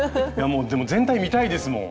もうでも全体見たいですもん。